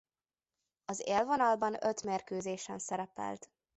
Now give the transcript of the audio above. Az élvonalban öt mérkőzésen szerepelt.